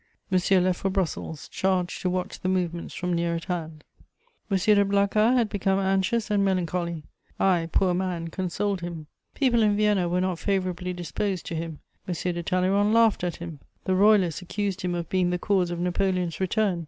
Monsieur left for Brussels, charged to watch the movements from near at hand. M. de Blacas had become anxious and melancholy; I, poor man, consoled him. People in Vienna were not favourably disposed to him; M. de Talleyrand laughed at him; the Royalists accused him of being the cause of Napoleon's return.